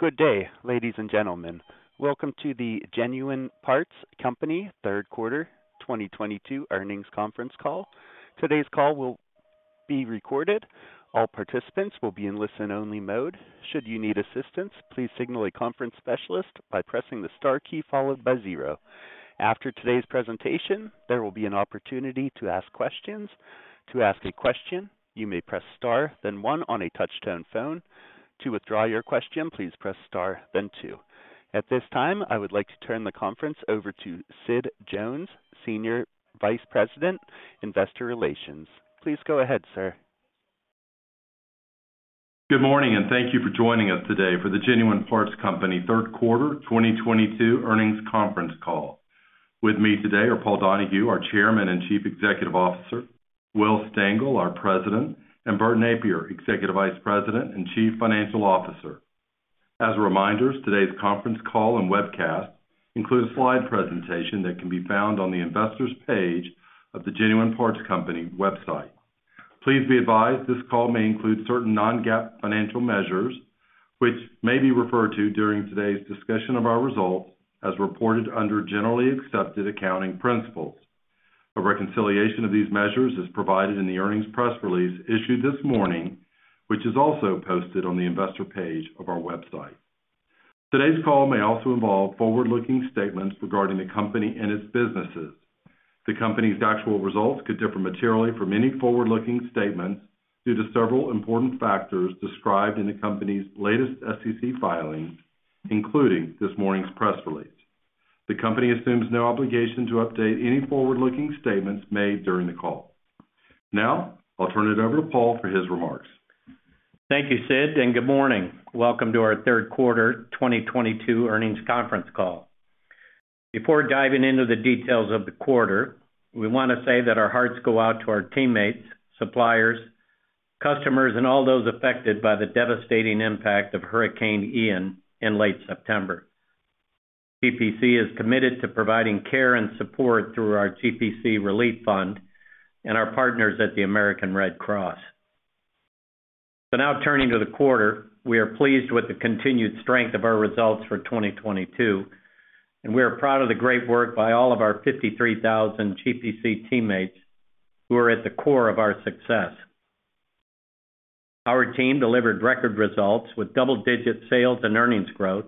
Good day, ladies and gentlemen. Welcome to the Genuine Parts Company third quarter 2022 earnings conference call. Today's call will be recorded. All participants will be in listen-only mode. Should you need assistance, please signal a conference specialist by pressing the star key followed by zero. After today's presentation, there will be an opportunity to ask questions. To ask a question, you may press Star then one on a touch-tone phone. To withdraw your question, please press Star then two. At this time, I would like to turn the conference over to Sid Jones, Senior Vice President, Investor Relations. Please go ahead, sir. Good morning, and thank you for joining us today for the Genuine Parts Company third quarter 2022 earnings conference call. With me today are Paul Donahue, our Chairman and Chief Executive Officer, Will Stengel, our President, and Bert Nappier, Executive Vice President and Chief Financial Officer. As a reminder, today's conference call and webcast includes a slide presentation that can be found on the investor's page of the Genuine Parts Company website. Please be advised this call may include certain non-GAAP financial measures which may be referred to during today's discussion of our results as reported under generally accepted accounting principles. A reconciliation of these measures is provided in the earnings press release issued this morning, which is also posted on the investor page of our website. Today's call may also involve forward-looking statements regarding the company and its businesses. The company's actual results could differ materially from any forward-looking statements due to several important factors described in the company's latest SEC filings, including this morning's press release. The company assumes no obligation to update any forward-looking statements made during the call. Now, I'll turn it over to Paul for his remarks. Thank you, Sid, and good morning. Welcome to our third quarter 2022 earnings conference call. Before diving into the details of the quarter, we wanna say that our hearts go out to our teammates, suppliers, customers, and all those affected by the devastating impact of Hurricane Ian in late September. GPC is committed to providing care and support through our GPC Relief Fund and our partners at the American Red Cross. Now turning to the quarter, we are pleased with the continued strength of our results for 2022, and we are proud of the great work by all of our 53,000 GPC teammates who are at the core of our success. Our team delivered record results with double-digit sales and earnings growth,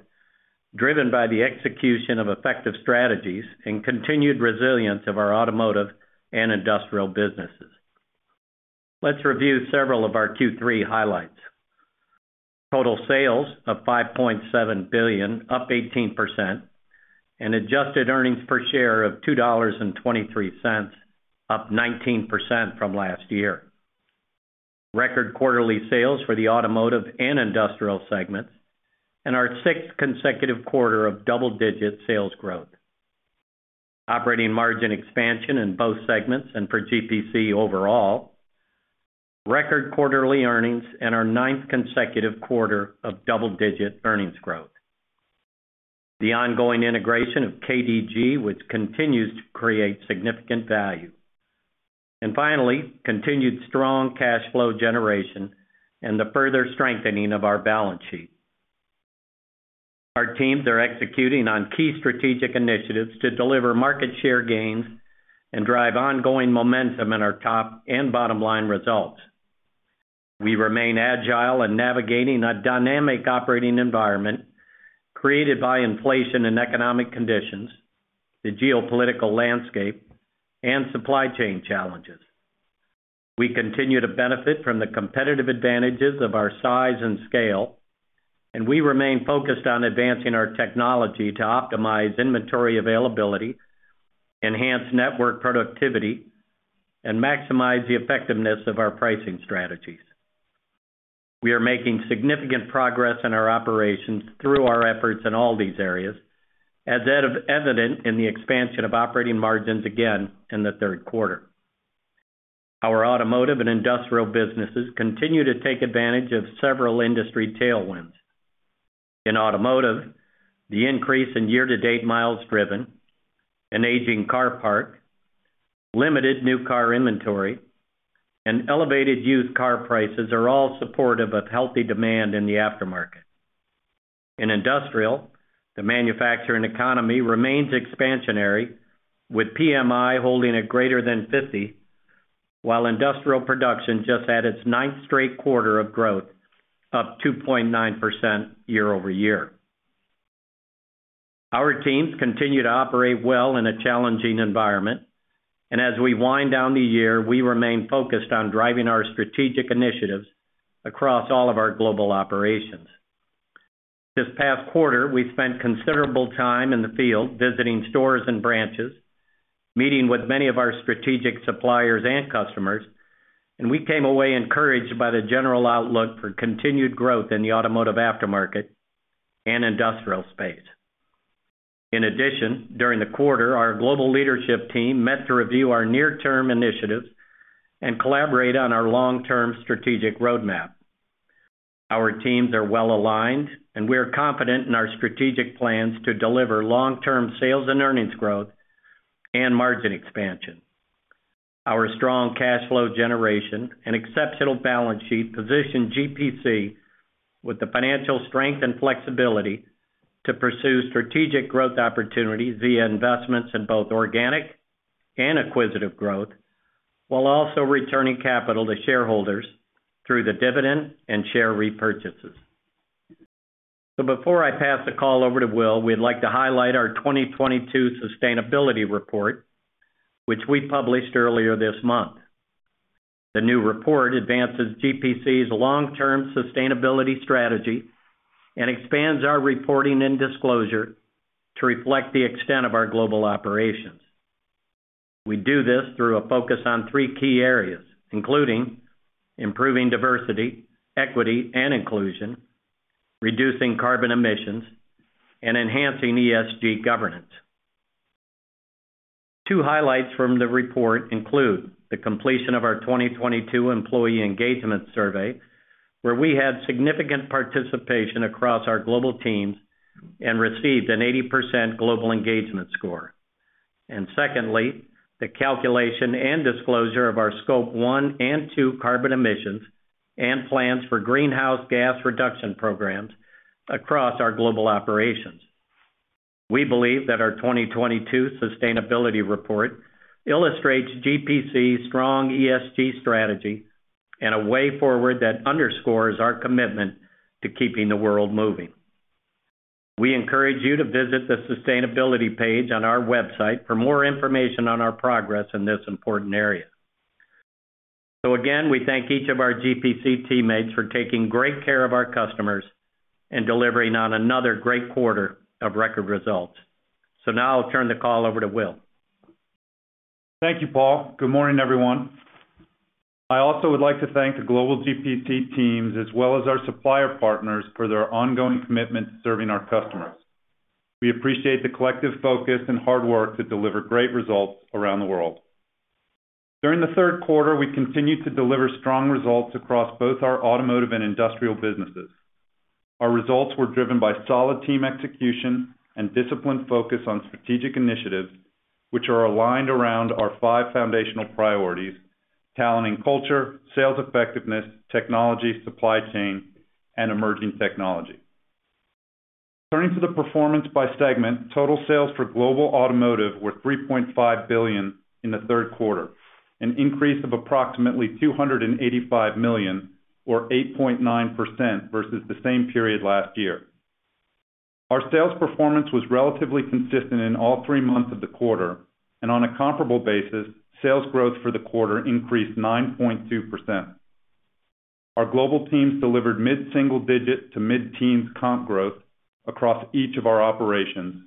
driven by the execution of effective strategies and continued resilience of our automotive and industrial businesses. Let's review several of our Q3 highlights. Total sales of $5.7 billion, up 18%, and adjusted earnings per share of $2.23, up 19% from last year. Record quarterly sales for the automotive and industrial segments and our sixth consecutive quarter of double-digit sales growth. Operating margin expansion in both segments and for GPC overall. Record quarterly earnings and our ninth consecutive quarter of double-digit earnings growth. The ongoing integration of KDG, which continues to create significant value. Finally, continued strong cash flow generation and the further strengthening of our balance sheet. Our teams are executing on key strategic initiatives to deliver market share gains and drive ongoing momentum in our top and bottom line results. We remain agile in navigating a dynamic operating environment created by inflation and economic conditions, the geopolitical landscape, and supply chain challenges. We continue to benefit from the competitive advantages of our size and scale, and we remain focused on advancing our technology to optimize inventory availability, enhance network productivity, and maximize the effectiveness of our pricing strategies. We are making significant progress in our operations through our efforts in all these areas, as evident in the expansion of operating margins again in the third quarter. Our automotive and industrial businesses continue to take advantage of several industry tailwinds. In automotive, the increase in year-to-date miles driven, an aging car park, limited new car inventory, and elevated used car prices are all supportive of healthy demand in the aftermarket. In industrial, the manufacturing economy remains expansionary, with PMI holding at greater than 50, while industrial production just had its ninth straight quarter of growth, up 2.9% year-over-year. Our teams continue to operate well in a challenging environment, and as we wind down the year, we remain focused on driving our strategic initiatives across all of our global operations. This past quarter, we spent considerable time in the field visiting stores and branches, meeting with many of our strategic suppliers and customers, and we came away encouraged by the general outlook for continued growth in the automotive aftermarket and industrial space. In addition, during the quarter, our global leadership team met to review our near-term initiatives and collaborate on our long-term strategic roadmap. Our teams are well-aligned, and we are confident in our strategic plans to deliver long-term sales and earnings growth and margin expansion. Our strong cash flow generation and exceptional balance sheet position GPC with the financial strength and flexibility to pursue strategic growth opportunities via investments in both organic and acquisitive growth, while also returning capital to shareholders through the dividend and share repurchases. Before I pass the call over to Will, we'd like to highlight our 2022 sustainability report, which we published earlier this month. The new report advances GPC's long-term sustainability strategy and expands our reporting and disclosure to reflect the extent of our global operations. We do this through a focus on three key areas, including improving diversity, equity, and inclusion, reducing carbon emissions, and enhancing ESG governance. Two highlights from the report include the completion of our 2022 employee engagement survey, where we had significant participation across our global teams and received an 80% global engagement score. Secondly, the calculation and disclosure of our Scope 1 and 2 carbon emissions and plans for greenhouse gas reduction programs across our global operations. We believe that our 2022 sustainability report illustrates GPC's strong ESG strategy and a way forward that underscores our commitment to keeping the world moving. We encourage you to visit the sustainability page on our website for more information on our progress in this important area. Again, we thank each of our GPC teammates for taking great care of our customers and delivering on another great quarter of record results. Now I'll turn the call over to Will. Thank you, Paul. Good morning, everyone. I also would like to thank the global GPC teams as well as our supplier partners for their ongoing commitment to serving our customers. We appreciate the collective focus and hard work that deliver great results around the world. During the third quarter, we continued to deliver strong results across both our automotive and industrial businesses. Our results were driven by solid team execution and disciplined focus on strategic initiatives, which are aligned around our five foundational priorities, talent and culture, sales effectiveness, technology, supply chain, and emerging technology. Turning to the performance by segment, total sales for global automotive were $3.5 billion in the third quarter, an increase of approximately $285 million or 8.9% versus the same period last year. Our sales performance was relatively consistent in all three months of the quarter, and on a comparable basis, sales growth for the quarter increased 9.2%. Our global teams delivered mid-single digit to mid-teens comp growth across each of our operations.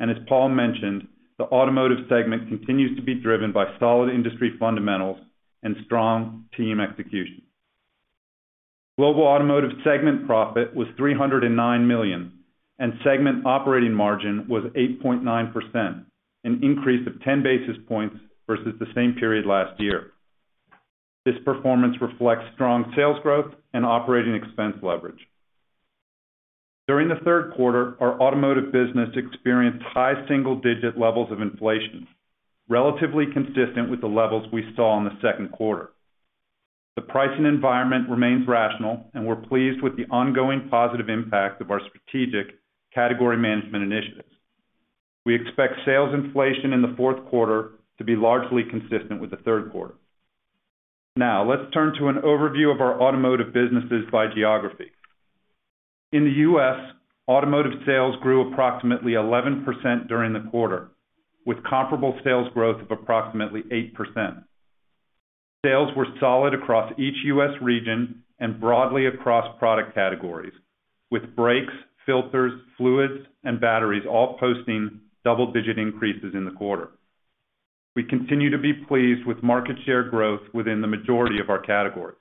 As Paul mentioned, the automotive segment continues to be driven by solid industry fundamentals and strong team execution. Global automotive segment profit was $309 million, and segment operating margin was 8.9%, an increase of 10 basis points versus the same period last year. This performance reflects strong sales growth and operating expense leverage. During the third quarter, our automotive business experienced high single-digit levels of inflation, relatively consistent with the levels we saw in the second quarter. The pricing environment remains rational, and we're pleased with the ongoing positive impact of our strategic category management initiatives. We expect sales inflation in the fourth quarter to be largely consistent with the third quarter. Now, let's turn to an overview of our automotive businesses by geography. In the U.S., automotive sales grew approximately 11% during the quarter, with comparable sales growth of approximately 8%. Sales were solid across each U.S. region and broadly across product categories, with brakes, filters, fluids, and batteries all posting double-digit increases in the quarter. We continue to be pleased with market share growth within the majority of our categories.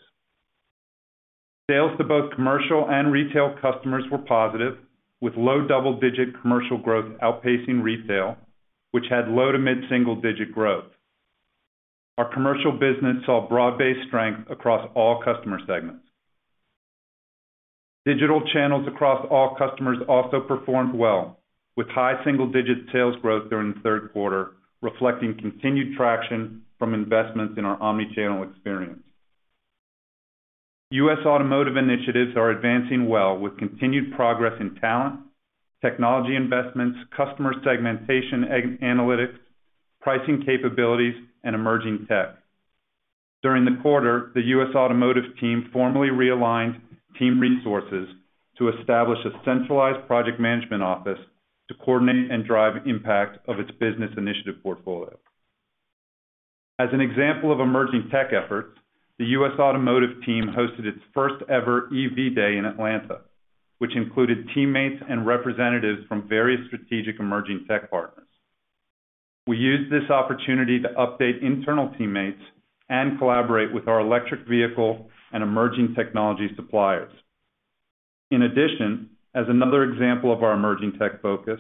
Sales to both commercial and retail customers were positive, with low double-digit commercial growth outpacing retail, which had low to mid-single digit growth. Our commercial business saw broad-based strength across all customer segments. Digital channels across all customers also performed well, with high single-digit sales growth during the third quarter, reflecting continued traction from investments in our omni-channel experience. U.S. automotive initiatives are advancing well with continued progress in talent, technology investments, customer segmentation analytics, pricing capabilities, and emerging tech. During the quarter, the U.S. automotive team formally realigned team resources to establish a centralized project management office to coordinate and drive impact of its business initiative portfolio. As an example of emerging tech efforts, the U.S. automotive team hosted its first ever EV Day in Atlanta, which included teammates and representatives from various strategic emerging tech partners. We used this opportunity to update internal teammates and collaborate with our electric vehicle and emerging technology suppliers. In addition, as another example of our emerging tech focus,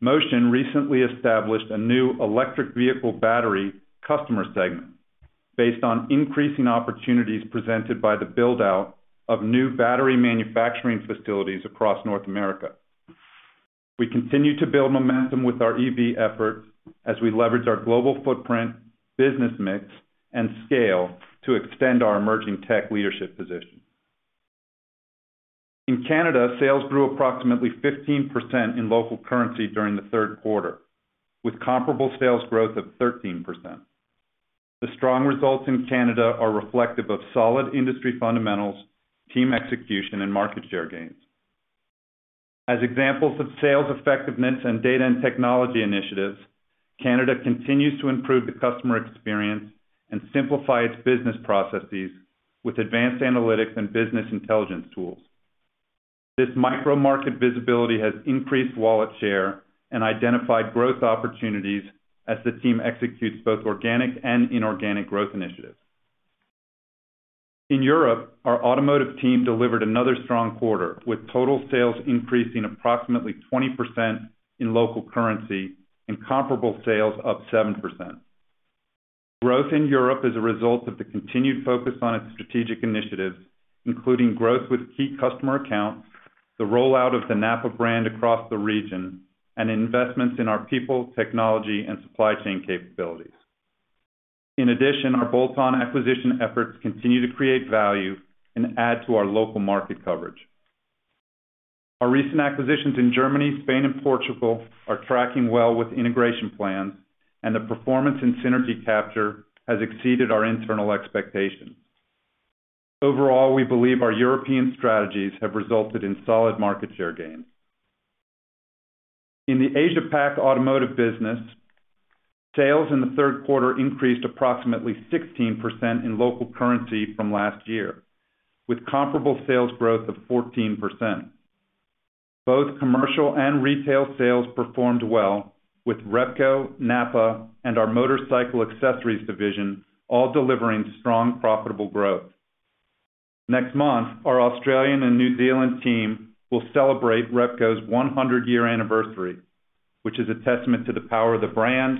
Motion recently established a new electric vehicle battery customer segment based on increasing opportunities presented by the build-out of new battery manufacturing facilities across North America. We continue to build momentum with our EV efforts as we leverage our global footprint, business mix, and scale to extend our emerging tech leadership position. In Canada, sales grew approximately 15% in local currency during the third quarter, with comparable sales growth of 13%. The strong results in Canada are reflective of solid industry fundamentals, team execution, and market share gains. As examples of sales effectiveness and data and technology initiatives, Canada continues to improve the customer experience and simplify its business processes with advanced analytics and business intelligence tools. This micro-market visibility has increased wallet share and identified growth opportunities as the team executes both organic and inorganic growth initiatives. In Europe, our automotive team delivered another strong quarter, with total sales increasing approximately 20% in local currency and comparable sales up 7%. Growth in Europe is a result of the continued focus on its strategic initiatives, including growth with key customer accounts, the rollout of the NAPA brand across the region, and investments in our people, technology, and supply chain capabilities. In addition, our bolt-on acquisition efforts continue to create value and add to our local market coverage. Our recent acquisitions in Germany, Spain, and Portugal are tracking well with integration plans and the performance and synergy capture has exceeded our internal expectations. Overall, we believe our European strategies have resulted in solid market share gains. In the Asia-Pac automotive business, sales in the third quarter increased approximately 16% in local currency from last year, with comparable sales growth of 14%. Both commercial and retail sales performed well with Repco, NAPA, and our Motorcycle Accessories division all delivering strong profitable growth. Next month, our Australian and New Zealand team will celebrate Repco's 100 year anniversary, which is a testament to the power of the brand,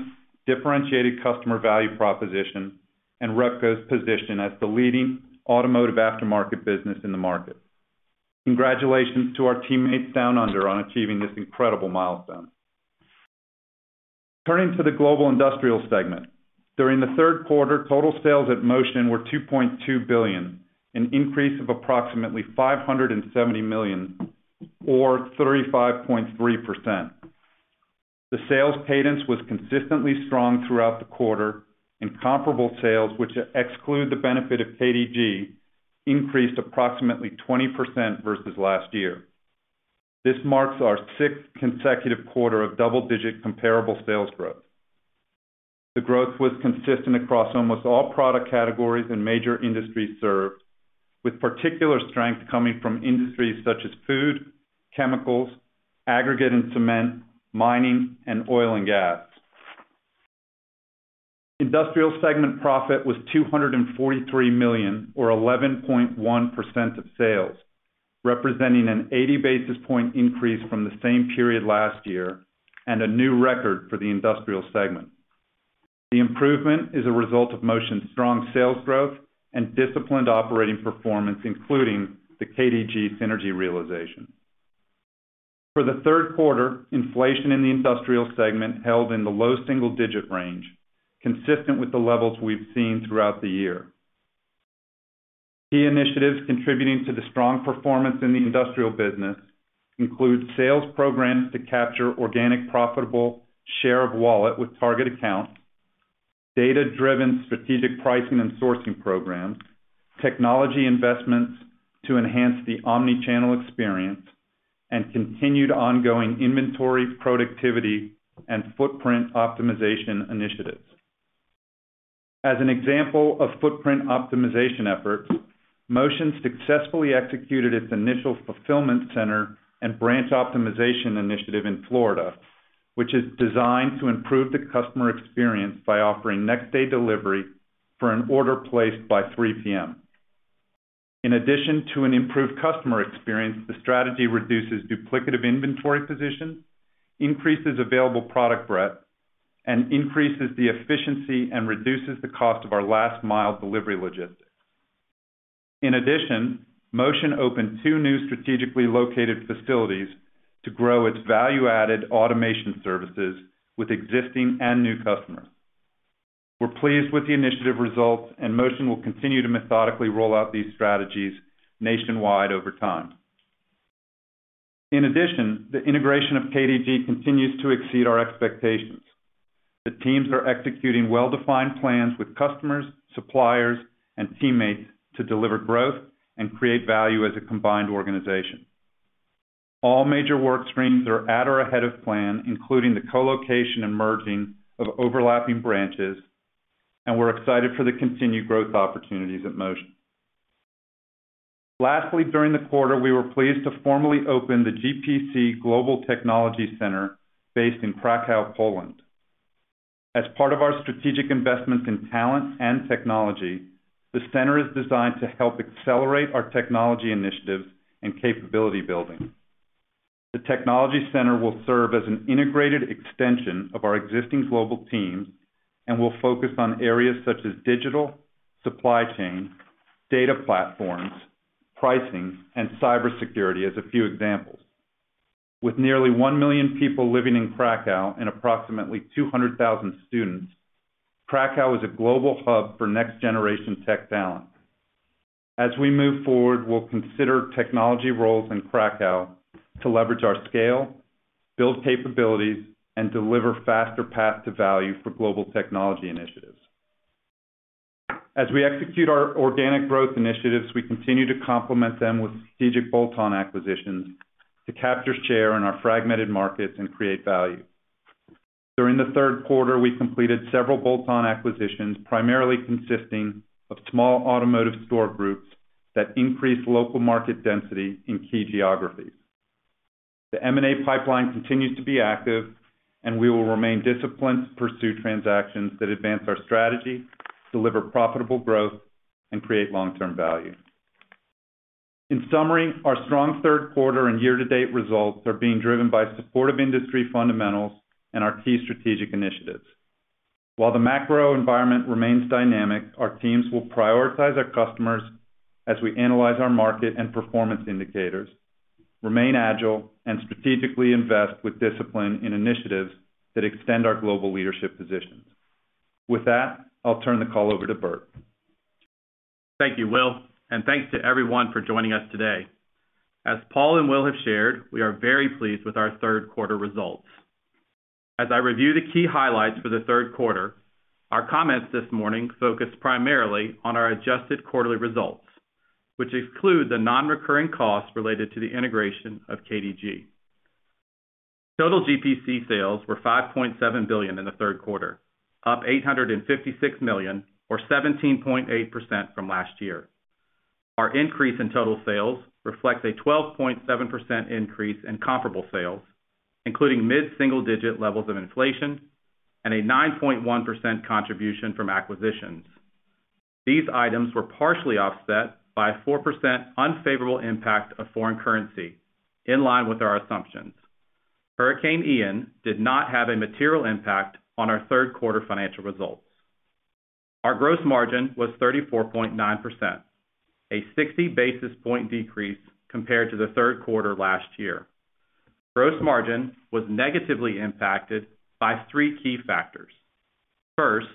differentiated customer value proposition, and Repco's position as the leading automotive aftermarket business in the market. Congratulations to our teammates down under on achieving this incredible milestone. Turning to the global industrial segment. During the third quarter, total sales at Motion were $2.2 billion, an increase of approximately $570 million or 35.3%. The sales cadence was consistently strong throughout the quarter, and comparable sales, which exclude the benefit of KDG, increased approximately 20% versus last year. This marks our sixth consecutive quarter of double-digit comparable sales growth. The growth was consistent across almost all product categories and major industries served, with particular strength coming from industries such as food, chemicals, aggregate and cement, mining, and oil and gas. Industrial segment profit was $243 million or 11.1% of sales, representing an 80 basis points increase from the same period last year and a new record for the industrial segment. The improvement is a result of Motion's strong sales growth and disciplined operating performance, including the KDG synergy realization. For the third quarter, inflation in the industrial segment held in the low single-digit range, consistent with the levels we've seen throughout the year. Key initiatives contributing to the strong performance in the industrial business include sales programs to capture organic profitable share of wallet with target accounts, data-driven strategic pricing and sourcing programs, technology investments to enhance the omni-channel experience, and continued ongoing inventory, productivity, and footprint optimization initiatives. As an example of footprint optimization efforts, Motion successfully executed its initial fulfillment center and branch optimization initiative in Florida, which is designed to improve the customer experience by offering next-day delivery for an order placed by 3:00 P.M. In addition to an improved customer experience, the strategy reduces duplicative inventory positions, increases available product breadth, and increases the efficiency and reduces the cost of our last mile delivery logistics. In addition, Motion opened two new strategically located facilities to grow its value-added automation services with existing and new customers. We're pleased with the initiative results, and Motion will continue to methodically roll out these strategies nationwide over time. In addition, the integration of KDG continues to exceed our expectations. The teams are executing well-defined plans with customers, suppliers, and teammates to deliver growth and create value as a combined organization. All major work streams are at or ahead of plan, including the co-location and merging of overlapping branches, and we're excited for the continued growth opportunities at Motion. Lastly, during the quarter, we were pleased to formally open the GPC Global Technology Center based in Kraków, Poland. As part of our strategic investments in talent and technology, the center is designed to help accelerate our technology initiatives and capability building. The technology center will serve as an integrated extension of our existing global teams and will focus on areas such as digital, supply chain, data platforms, pricing, and cybersecurity as a few examples. With nearly one million people living in Kraków and approximately 200,000 students, Kraków is a global hub for next-generation tech talent. As we move forward, we'll consider technology roles in Kraków to leverage our scale, build capabilities, and deliver faster path to value for global technology initiatives. As we execute our organic growth initiatives, we continue to complement them with strategic bolt-on acquisitions to capture share in our fragmented markets and create value. During the third quarter, we completed several bolt-on acquisitions, primarily consisting of small automotive store groups that increase local market density in key geographies. The M&A pipeline continues to be active, and we will remain disciplined to pursue transactions that advance our strategy, deliver profitable growth, and create long-term value. In summary, our strong third quarter and year-to-date results are being driven by supportive industry fundamentals and our key strategic initiatives. While the macro environment remains dynamic, our teams will prioritize our customers as we analyze our market and performance indicators, remain agile, and strategically invest with discipline in initiatives that extend our global leadership positions. With that, I'll turn the call over to Bert. Thank you, Will, and thanks to everyone for joining us today. As Paul and Will have shared, we are very pleased with our third quarter results. As I review the key highlights for the third quarter, our comments this morning focus primarily on our adjusted quarterly results, which exclude the non-recurring costs related to the integration of KDG. Total GPC sales were $5.7 billion in the third quarter, up $856 million, or 17.8% from last year. Our increase in total sales reflects a 12.7% increase in comparable sales, including mid-single-digit levels of inflation and a 9.1% contribution from acquisitions. These items were partially offset by a 4% unfavorable impact of foreign currency, in line with our assumptions. Hurricane Ian did not have a material impact on our third quarter financial results. Our gross margin was 34.9%, a 60 basis points decrease compared to the third quarter last year. Gross margin was negatively impacted by three key factors. First,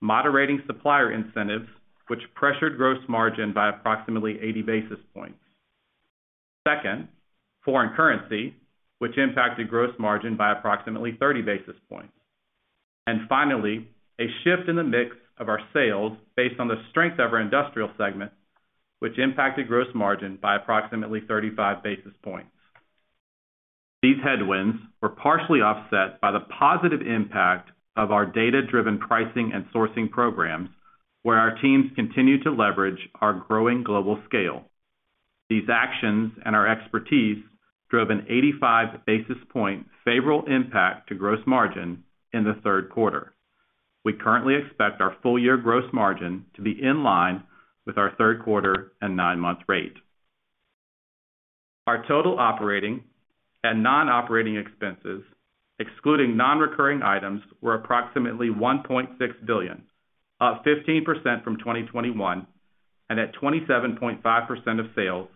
moderating supplier incentives, which pressured gross margin by approximately 80 basis points. Second, foreign currency, which impacted gross margin by approximately 30 basis points. Finally, a shift in the mix of our sales based on the strength of our industrial segment, which impacted gross margin by approximately 35 basis points. These headwinds were partially offset by the positive impact of our data-driven pricing and sourcing programs, where our teams continued to leverage our growing global scale. These actions and our expertise drove an 85 basis points favorable impact to gross margin in the third quarter. We currently expect our full year gross margin to be in line with our third quarter and nine-month rate. Our total operating and non-operating expenses, excluding non-recurring items, were approximately $1.6 billion, up 15% from 2021, and at 27.5% of sales,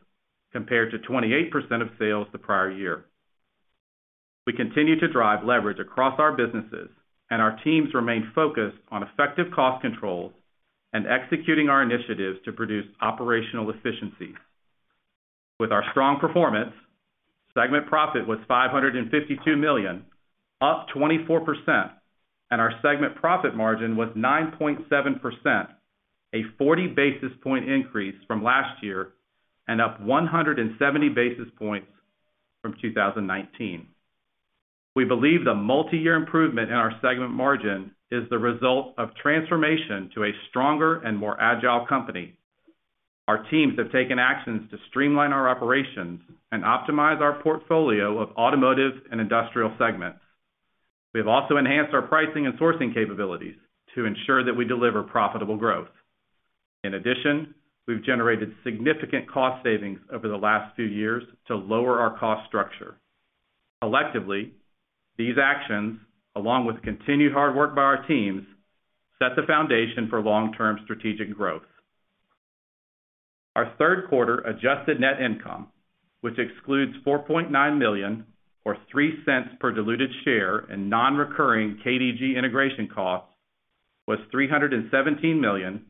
compared to 28% of sales the prior year. We continue to drive leverage across our businesses, and our teams remain focused on effective cost controls and executing our initiatives to produce operational efficiencies. With our strong performance, segment profit was $552 million, up 24%, and our segment profit margin was 9.7%, a 40 basis point increase from last year and up 170 basis points from 2019. We believe the multiyear improvement in our segment margin is the result of transformation to a stronger and more agile company. Our teams have taken actions to streamline our operations and optimize our portfolio of automotive and industrial segments. We have also enhanced our pricing and sourcing capabilities to ensure that we deliver profitable growth. In addition, we've generated significant cost savings over the last few years to lower our cost structure. Collectively, these actions, along with continued hard work by our teams, set the foundation for long-term strategic growth. Our third quarter adjusted net income, which excludes $4.9 million or $0.03 per diluted share in non-recurring KDG integration costs, was $317 million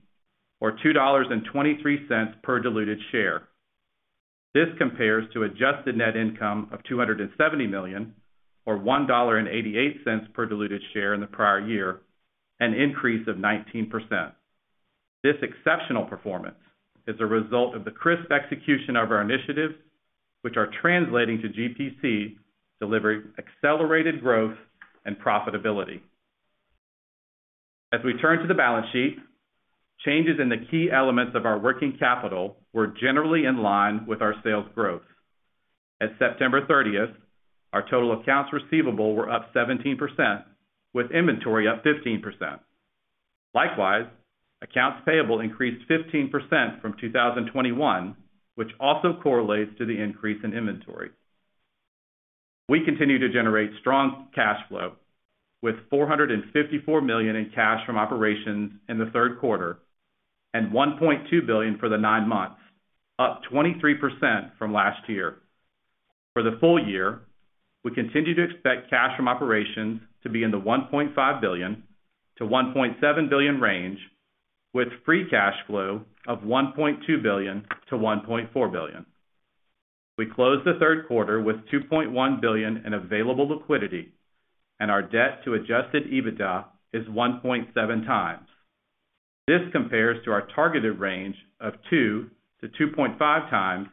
or $2.23 per diluted share. This compares to adjusted net income of $270 million or $1.88 per diluted share in the prior year, an increase of 19%. This exceptional performance is a result of the crisp execution of our initiatives, which are translating to GPC delivering accelerated growth and profitability. As we turn to the balance sheet, changes in the key elements of our working capital were generally in line with our sales growth. At September 30th, our total accounts receivable were up 17%, with inventory up 15%. Likewise, accounts payable increased 15% from 2021, which also correlates to the increase in inventory. We continue to generate strong cash flow with $454 million in cash from operations in the third quarter and $1.2 billion for the nine months, up 23% from last year. For the full year, we continue to expect cash from operations to be in the $1.5 billion-$1.7 billion range with free cash flow of $1.2 billion-$1.4 billion. We closed the third quarter with $2.1 billion in available liquidity, and our debt to adjusted EBITDA is 1.7x. This compares to our targeted range of 2x-2.5x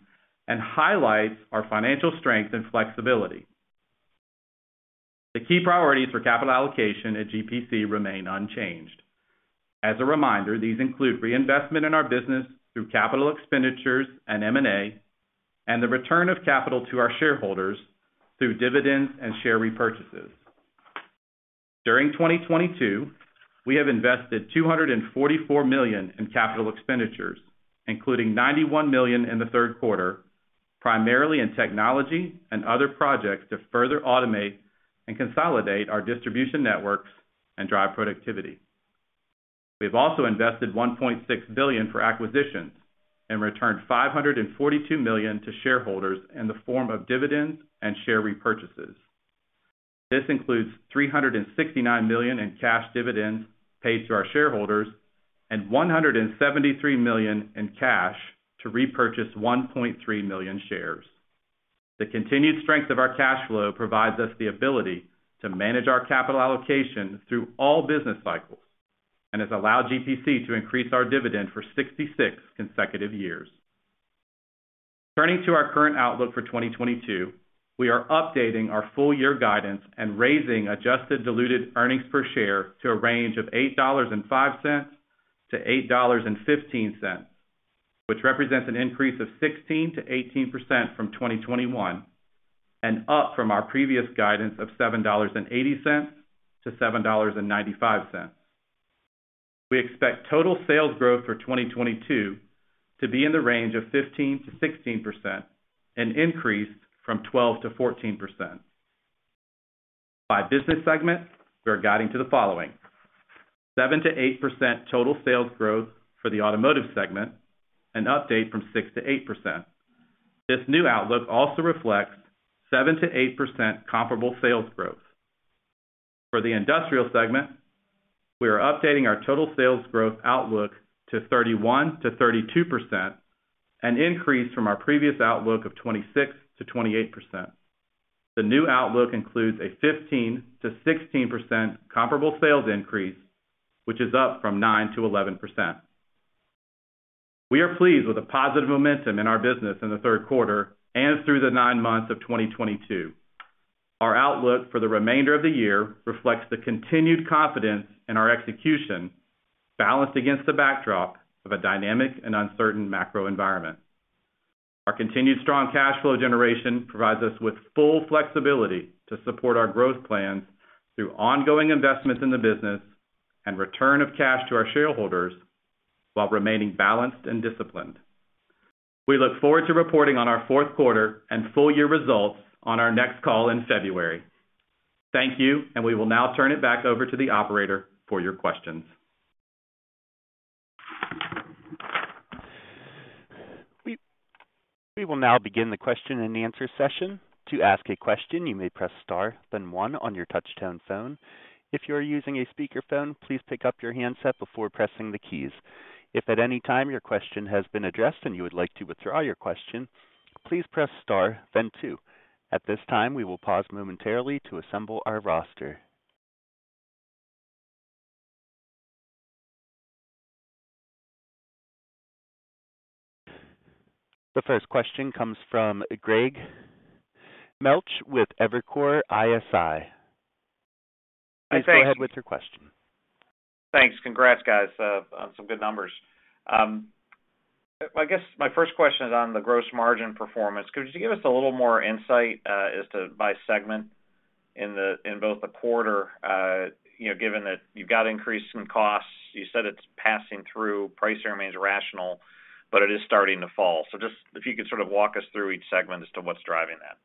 and highlights our financial strength and flexibility. The key priorities for capital allocation at GPC remain unchanged. As a reminder, these include reinvestment in our business through capital expenditures and M&A, and the return of capital to our shareholders through dividends and share repurchases. During 2022, we have invested $244 million in capital expenditures, including $91 million in the third quarter, primarily in technology and other projects to further automate and consolidate our distribution networks and drive productivity. We've also invested $1.6 billion for acquisitions and returned $542 million to shareholders in the form of dividends and share repurchases. This includes $369 million in cash dividends paid to our shareholders and $173 million in cash to repurchase 1.3 million shares. The continued strength of our cash flow provides us the ability to manage our capital allocation through all business cycles and has allowed GPC to increase our dividend for 66 consecutive years. Turning to our current outlook for 2022, we are updating our full year guidance and raising adjusted diluted earnings per share to a range of $8.05-$8.15, which represents an increase of 16%-18% from 2021 and up from our previous guidance of $7.80-$7.95. We expect total sales growth for 2022 to be in the range of 15%-16%, an increase from 12%-14%. By business segment, we are guiding to the following. 7%-8% total sales growth for the automotive segment, an update from 6%-8%. This new outlook also reflects 7%-8% comparable sales growth. For the industrial segment, we are updating our total sales growth outlook to 31%-32%, an increase from our previous outlook of 26%-28%. The new outlook includes a 15%-16% comparable sales increase, which is up from 9%-11%. We are pleased with the positive momentum in our business in the third quarter and through the nine months of 2022. Our outlook for the remainder of the year reflects the continued confidence in our execution, balanced against the backdrop of a dynamic and uncertain macro environment. Our continued strong cash flow generation provides us with full flexibility to support our growth plans through ongoing investments in the business and return of cash to our shareholders while remaining balanced and disciplined. We look forward to reporting on our fourth quarter and full year results on our next call in February. Thank you, and we will now turn it back over to the operator for your questions. We will now begin the question and answer session. To ask a question, you may press Star, then one on your touchtone phone. If you are using a speakerphone, please pick up your handset before pressing the keys. If at any time your question has been addressed and you would like to withdraw your question, please press Star then two. At this time, we will pause momentarily to assemble our roster. The first question comes from Greg Melich with Evercore ISI. Please go ahead with your question. Thanks. Congrats, guys, on some good numbers. I guess my first question is on the gross margin performance. Could you give us a little more insight, as to by segment in the, in both the quarter, you know, given that you've got increasing costs, you said it's passing through, price remains rational, but it is starting to fall. Just if you could sort of walk us through each segment as to what's driving that.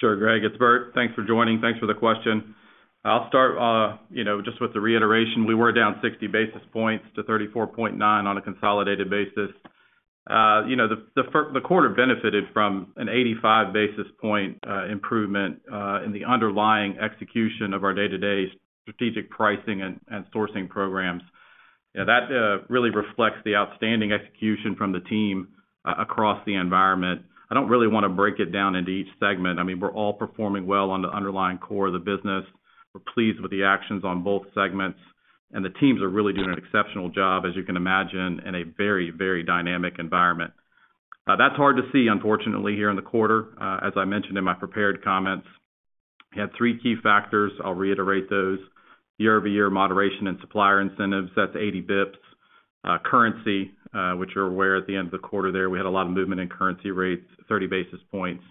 Sure, Greg. It's Bert. Thanks for joining. Thanks for the question. I'll start, you know, just with the reiteration. We were down 60 basis points to 34.9 on a consolidated basis. You know, the quarter benefited from an 85 basis point improvement in the underlying execution of our day-to-day strategic pricing and sourcing programs. That really reflects the outstanding execution from the team across the environment. I don't really wanna break it down into each segment. I mean, we're all performing well on the underlying core of the business. We're pleased with the actions on both segments, and the teams are really doing an exceptional job, as you can imagine, in a very dynamic environment. That's hard to see, unfortunately, here in the quarter. As I mentioned in my prepared comments, we had three key factors. I'll reiterate those. Year-over-year moderation in supplier incentives, that's 80 basis points. Currency, which you're aware at the end of the quarter there, we had a lot of movement in currency rates, 30 basis points.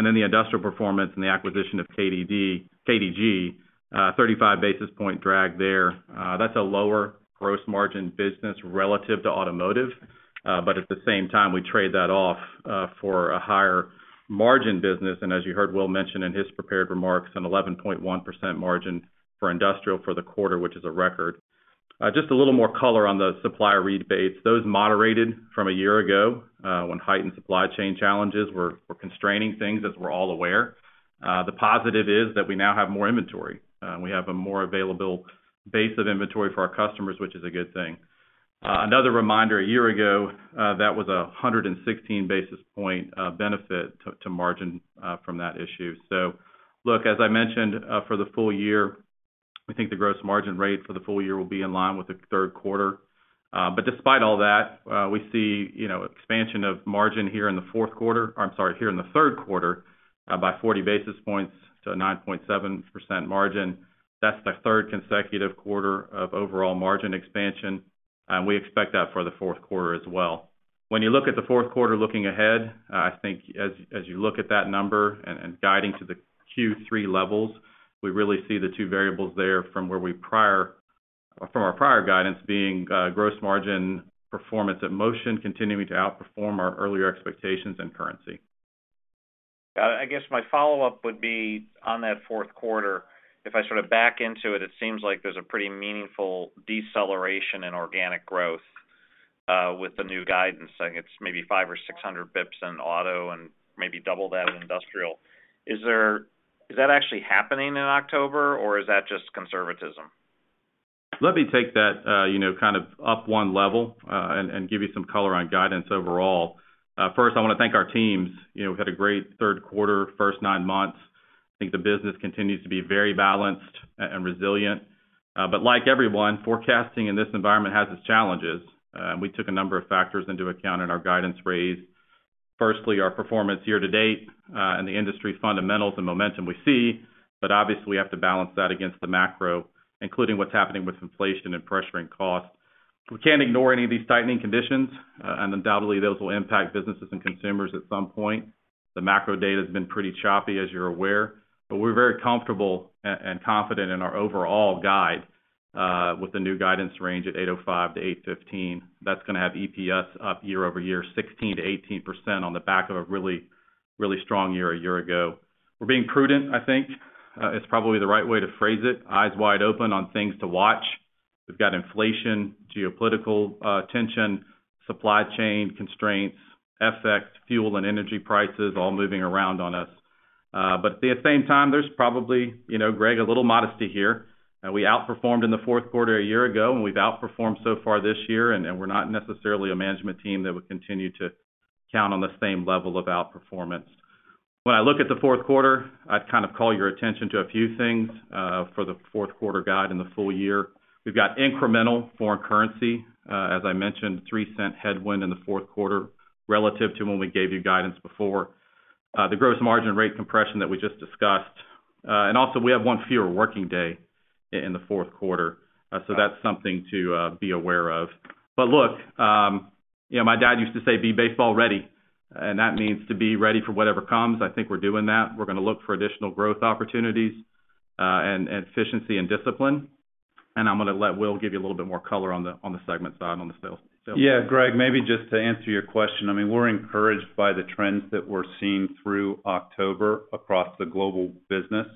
Then the industrial performance and the acquisition of Kaman Distribution Group, 35 basis point drag there. That's a lower gross margin business relative to automotive, but at the same time, we trade that off, for a higher margin business. As you heard Will mention in his prepared remarks, an 11.1% margin for industrial for the quarter, which is a record. Just a little more color on the supplier rebates. Those moderated from a year ago, when heightened supply chain challenges were constraining things, as we're all aware. The positive is that we now have more inventory. We have a more available base of inventory for our customers, which is a good thing. Another reminder, a year ago, that was 116 basis point benefit to margin from that issue. Look, as I mentioned, for the full year, we think the gross margin rate for the full year will be in line with the third quarter. Despite all that, we see, you know, expansion of margin here in the third quarter by 40 basis points to a 9.7% margin. That's the third consecutive quarter of overall margin expansion, and we expect that for the fourth quarter as well. When you look at the fourth quarter looking ahead, I think as you look at that number and guiding to the Q3 levels, we really see the two variables there from our prior guidance being gross margin performance at Motion continuing to outperform our earlier expectations and currency. I guess my follow-up would be on that fourth quarter. If I sort of back into it seems like there's a pretty meaningful deceleration in organic growth with the new guidance. I think it's maybe 500 or 600 basis points in auto and maybe double that in industrial. Is that actually happening in October, or is that just conservatism? Let me take that, you know, kind of up one level, and give you some color on guidance overall. First, I wanna thank our teams. You know, we've had a great third quarter, first nine months. I think the business continues to be very balanced and resilient. Like everyone, forecasting in this environment has its challenges. We took a number of factors into account in our guidance raise. Firstly, our performance year to date, and the industry fundamentals and momentum we see, but obviously we have to balance that against the macro, including what's happening with inflation and pressuring costs. We can't ignore any of these tightening conditions, and undoubtedly, those will impact businesses and consumers at some point. The macro data's been pretty choppy, as you're aware, but we're very comfortable and confident in our overall guide, with the new guidance range at 805-815. That's gonna have EPS up year-over-year, 16%-18% on the back of a really, really strong year a year ago. We're being prudent, I think, is probably the right way to phrase it. Eyes wide open on things to watch. We've got inflation, geopolitical tension, supply chain constraints, FX, fuel and energy prices all moving around on us. At the same time, there's probably, you know, Greg, a little modesty here. We outperformed in the fourth quarter a year ago, and we've outperformed so far this year, and we're not necessarily a management team that would continue to count on the same level of outperformance. When I look at the fourth quarter, I'd kind of call your attention to a few things for the fourth quarter guide and the full year. We've got incremental foreign currency, as I mentioned, $0.03 headwind in the fourth quarter relative to when we gave you guidance before. The gross margin rate compression that we just discussed. Also we have one fewer working day in the fourth quarter, so that's something to be aware of. Look, you know, my dad used to say, "Be baseball ready," and that means to be ready for whatever comes. I think we're doing that. We're gonna look for additional growth opportunities, and efficiency and discipline. I'm gonna let Will give you a little bit more color on the segment side on the sales. Yeah, Greg, maybe just to answer your question. I mean, we're encouraged by the trends that we're seeing through October across the global business.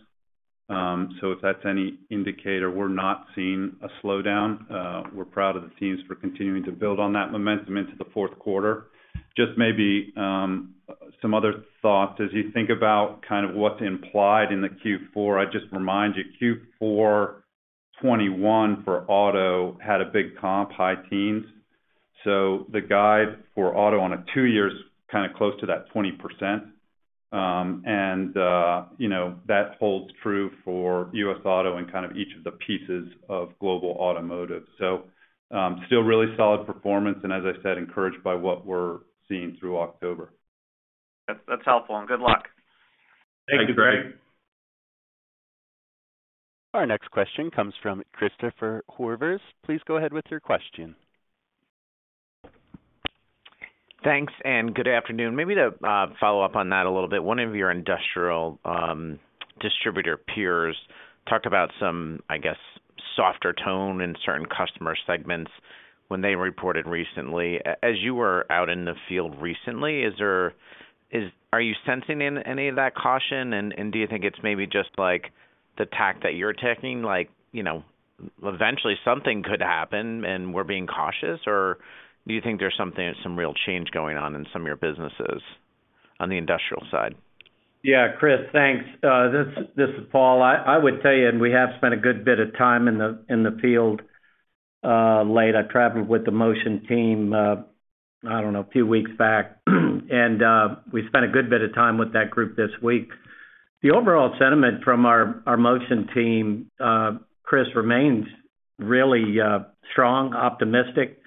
So if that's any indicator, we're not seeing a slowdown. We're proud of the teams for continuing to build on that momentum into the fourth quarter. Just maybe some other thoughts as you think about kind of what's implied in the Q4. I'd just remind you, Q4 2021 for auto had a big comp, high teens. The guide for auto on a two year is kind of close to that 20%. You know, that holds true for U.S. auto and kind of each of the pieces of global automotive. Still really solid performance and as I said, encouraged by what we're seeing through October. That's helpful and good luck. Thank you, Greg. Thank you. Our next question comes from Christopher Horvers. Please go ahead with your question. Thanks, good afternoon. Maybe to follow up on that a little bit, one of your industrial distributor peers talked about some, I guess, softer tone in certain customer segments when they reported recently. As you were out in the field recently, are you sensing any of that caution? Do you think it's maybe just like the tack that you're taking? Like, you know, eventually something could happen, and we're being cautious. Do you think there's something, some real change going on in some of your businesses on the industrial side? Yeah, Chris, thanks. This is Paul. I would tell you, and we have spent a good bit of time in the field lately. I traveled with the Motion team, I don't know, a few weeks back, and we spent a good bit of time with that group this week. The overall sentiment from our Motion team, Chris, remains really strong, optimistic.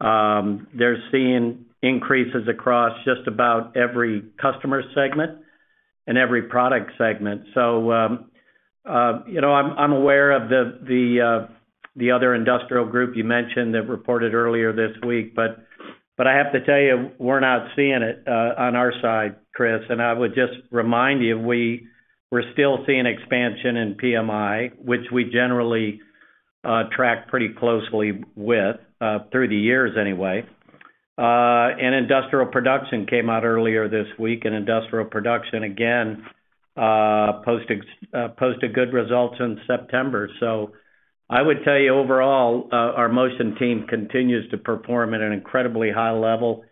They're seeing increases across just about every customer segment and every product segment. You know, I'm aware of the other industrial group you mentioned that reported earlier this week, but I have to tell you, we're not seeing it on our side, Chris. I would just remind you, we're still seeing expansion in PMI, which we generally track pretty closely with through the years anyway. Industrial production came out earlier this week, and industrial production again posted good results in September. I would tell you, overall, our Motion team continues to perform at an incredibly high level.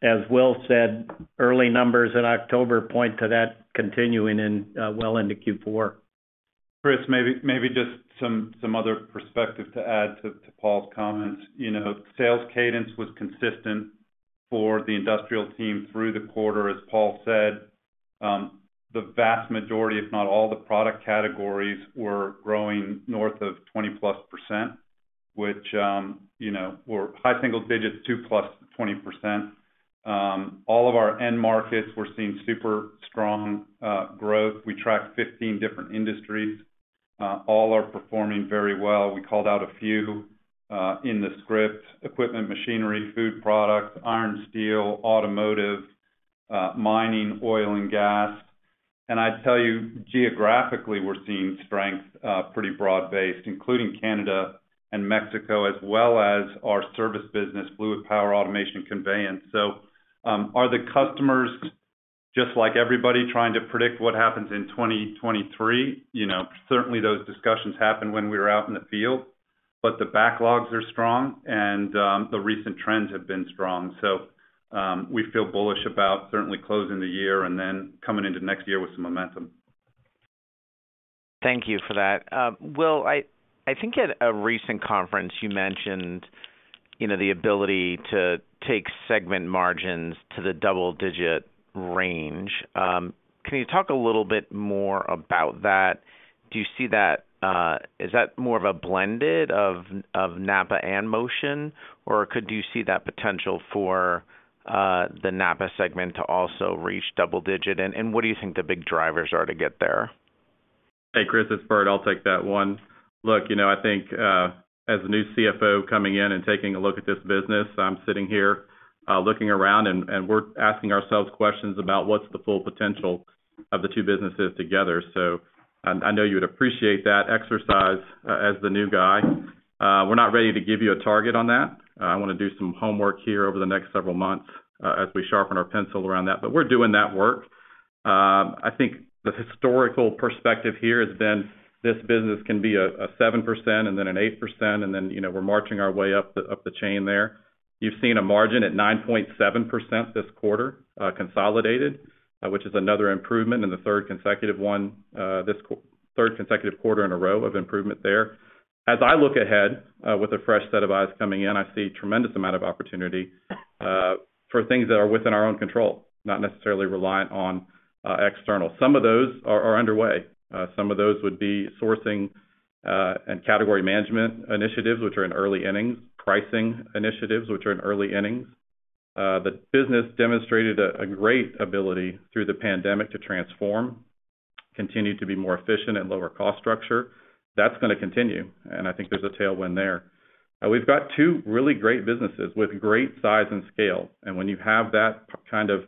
As Will said, early numbers in October point to that continuing well into Q4. Chris, maybe just some other perspective to add to Paul's comments. You know, sales cadence was consistent for the industrial team through the quarter, as Paul said. The vast majority, if not all the product categories, were growing north of 20%+, which you know were high single digits to +20%. All of our end markets we're seeing super strong growth. We track 15 different industries. All are performing very well. We called out a few in the script: equipment, machinery, food products, iron, steel, automotive, mining, oil and gas. I'd tell you, geographically, we're seeing strength pretty broad-based, including Canada and Mexico, as well as our service business, fluid power, automation, conveyance. Are the customers just like everybody trying to predict what happens in 2023? You know, certainly those discussions happened when we were out in the field, but the backlogs are strong and, the recent trends have been strong. We feel bullish about certainly closing the year and then coming into next year with some momentum. Thank you for that. Will, I think at a recent conference, you mentioned, you know, the ability to take segment margins to the double-digit range. Can you talk a little bit more about that? Do you see that, is that more of a blend of NAPA and Motion, or could you see that potential for the NAPA segment to also reach double-digit? What do you think the big drivers are to get there? Hey, Christopher, it's Bert. I'll take that one. Look, you know, I think as the new CFO coming in and taking a look at this business, I'm sitting here looking around and we're asking ourselves questions about what's the full potential of the two businesses together. I know you would appreciate that exercise as the new guy. We're not ready to give you a target on that. I wanna do some homework here over the next several months as we sharpen our pencil around that, but we're doing that work. I think the historical perspective here has been this business can be a 7% and then an 8%, and then, you know, we're marching our way up the chain there. You've seen a margin at 9.7% this quarter, consolidated, which is another improvement in the third consecutive quarter in a row of improvement there. As I look ahead, with a fresh set of eyes coming in, I see a tremendous amount of opportunity, for things that are within our own control, not necessarily reliant on external. Some of those are underway. Some of those would be sourcing and category management initiatives, which are in early innings. Pricing initiatives, which are in early innings. The business demonstrated a great ability through the pandemic to transform, continue to be more efficient and lower cost structure. That's gonna continue, and I think there's a tailwind there. We've got two really great businesses with great size and scale, and when you have that kind of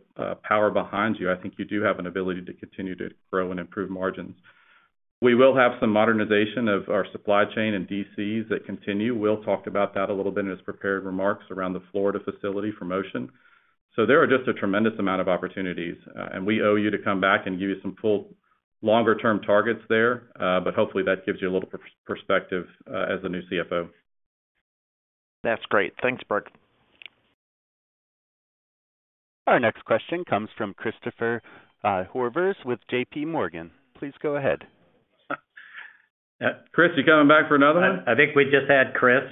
power behind you, I think you do have an ability to continue to grow and improve margins. We will have some modernization of our supply chain and DCs that continue. Will talked about that a little bit in his prepared remarks around the Florida facility for Motion. There are just a tremendous amount of opportunities, and we owe it to you to come back and give you some fuller long-term targets there. Hopefully, that gives you a little perspective as the new CFO. That's great. Thanks, Bert. Our next question comes from Christopher Horvers with JP Morgan. Please go ahead. Chris, you coming back for another one? I think we just had Chris.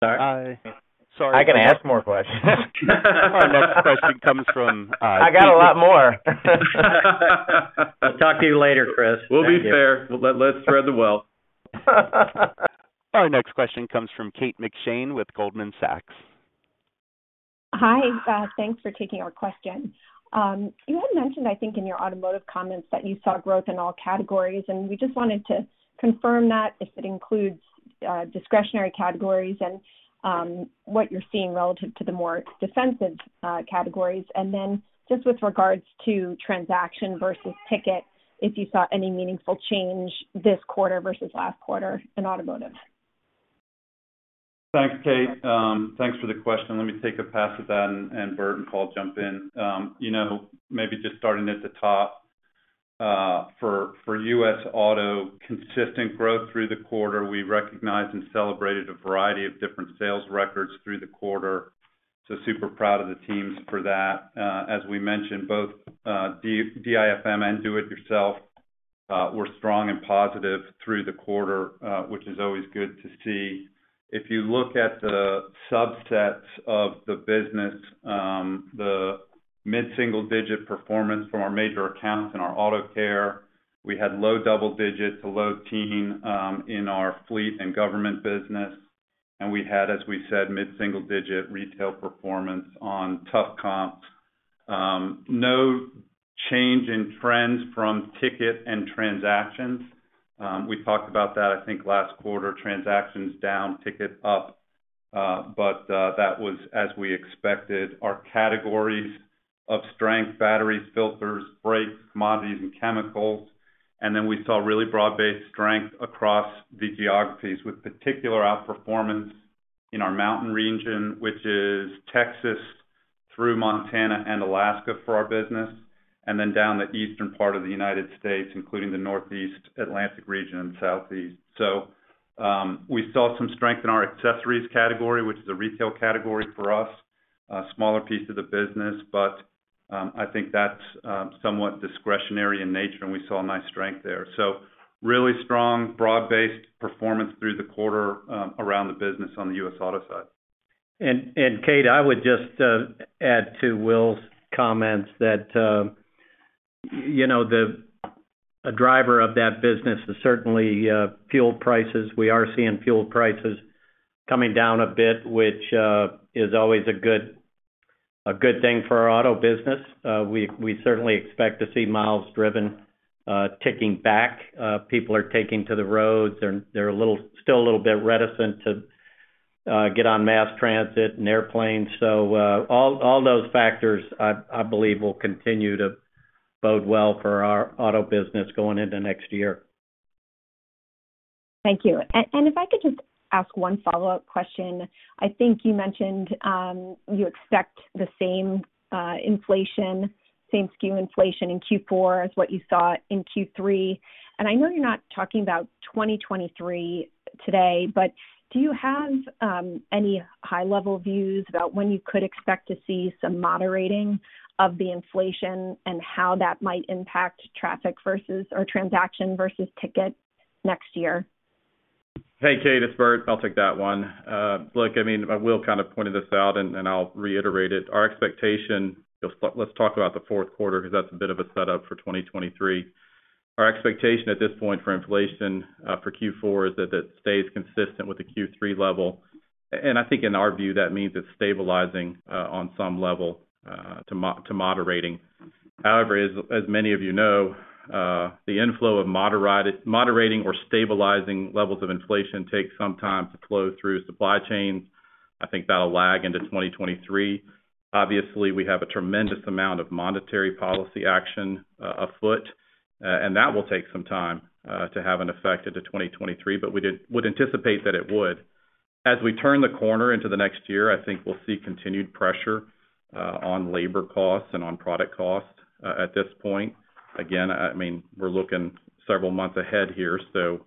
Sorry I can ask more questions. Our next question comes from, I got a lot more. We'll talk to you later, Chris. Thank you. We'll be brief. Let's thread the needle. Our next question comes from Kate McShane with Goldman Sachs. Hi. Thanks for taking our question. You had mentioned, I think in your automotive comments, that you saw growth in all categories, and we just wanted to confirm that if it includes discretionary categories and what you're seeing relative to the more defensive categories. Then just with regards to transaction versus ticket, if you saw any meaningful change this quarter versus last quarter in automotive. Thanks, Kate. Thanks for the question. Let me take a pass at that and Bert and Paul jump in. You know, maybe just starting at the top, for U.S. Auto, consistent growth through the quarter. We recognized and celebrated a variety of different sales records through the quarter, so super proud of the teams for that. As we mentioned, both DIFM and do it yourself were strong and positive through the quarter, which is always good to see. If you look at the subsets of the business, the mid-single-digit performance from our major accounts in our auto care, we had low double digit to low teen in our fleet and government business. We had, as we said, mid-single digit retail performance on tough comps. No change in trends from ticket and transactions. We talked about that, I think, last quarter. Transactions down, ticket up. That was as we expected. Our categories of strength, batteries, filters, brakes, commodities, and chemicals. We saw really broad-based strength across the geographies, with particular outperformance in our mountain region, which is Texas through Montana and Alaska for our business, and then down the eastern part of the United States, including the Northeast Atlantic region and Southeast. We saw some strength in our accessories category, which is a retail category for us, a smaller piece of the business. I think that's somewhat discretionary in nature, and we saw a nice strength there. Really strong broad-based performance through the quarter, around the business on the U.S. auto side. Kate, I would just add to Will's comments that you know, a driver of that business is certainly fuel prices. We are seeing fuel prices coming down a bit, which is always a good thing for our auto business. We certainly expect to see miles driven ticking back. People are taking to the roads. They're still a little bit reticent to get on mass transit and airplanes. All those factors, I believe will continue to bode well for our auto business going into next year. Thank you. If I could just ask one follow-up question. I think you mentioned you expect the same inflation, same SKU inflation in Q4 as what you saw in Q3. I know you're not talking about 2023 today, but do you have any high-level views about when you could expect to see some moderating of the inflation and how that might impact traffic versus or transaction versus ticket next year? Hey, Kate, it's Bert. I'll take that one. Look, I mean, Will kind of pointed this out, and I'll reiterate it. Our expectation. Let's talk about the fourth quarter because that's a bit of a setup for 2023. Our expectation at this point for inflation, for Q4 is that it stays consistent with the Q3 level. I think in our view, that means it's stabilizing on some level to moderating. However, as many of you know, the inflow of moderating or stabilizing levels of inflation takes some time to flow through supply chains. I think that'll lag into 2023. Obviously, we have a tremendous amount of monetary policy action afoot, and that will take some time to have an effect into 2023, but we would anticipate that it would. As we turn the corner into the next year, I think we'll see continued pressure on labor costs and on product costs at this point. Again, I mean, we're looking several months ahead here, so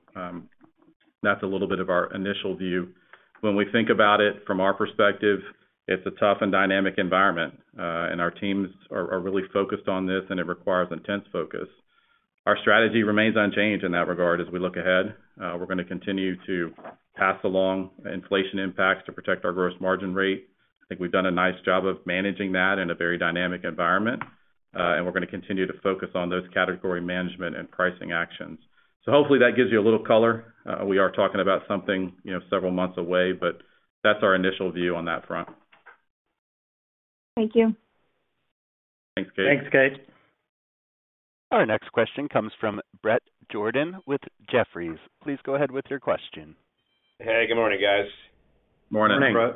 that's a little bit of our initial view. When we think about it from our perspective, it's a tough and dynamic environment, and our teams are really focused on this, and it requires intense focus. Our strategy remains unchanged in that regard as we look ahead. We're gonna continue to pass along inflation impacts to protect our gross margin rate. I think we've done a nice job of managing that in a very dynamic environment, and we're gonna continue to focus on those category management and pricing actions. Hopefully, that gives you a little color. We are talking about something, you know, several months away, but that's our initial view on that front. Thank you. Thanks, Kate. Thanks, Kate. Our next question comes from Bret Jordan with Jefferies. Please go ahead with your question. Hey, good morning, guys. Morning. Morning.